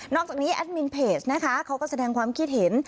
อกจากนี้แอดมินเพจนะคะเขาก็แสดงความคิดเห็น